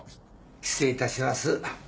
失礼いたします。